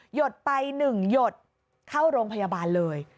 ดไป๑หยดเข้าโรงพยาบาลเลย